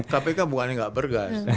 kpk bukan yang gak bergas